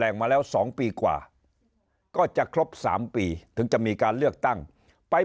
มาแล้ว๒ปีกว่าก็จะครบ๓ปีถึงจะมีการเลือกตั้งไป